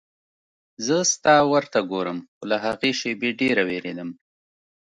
زه ستا ور ته ګورم خو له هغې شېبې ډېره وېرېدم.